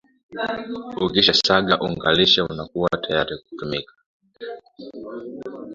ukisha saga unga klishe unakua tayari kutumia